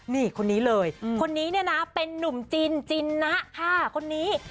นี่คนนี้เลยคนนี้เนี่ยนะเป็นนุ่มจินจินนะค่ะคนนี้